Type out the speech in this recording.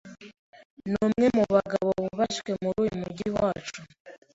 numwe mubagabo bubashywe mumujyi wacu.